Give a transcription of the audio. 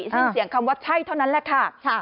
สิ้นเสียงคำว่าใช่เท่านั้นแหละค่ะ